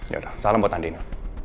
yaudah salam buat andino